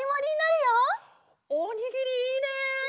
おにぎりいいね！